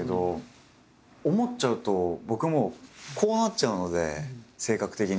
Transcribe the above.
思っちゃうと僕もうこうなっちゃうので性格的に。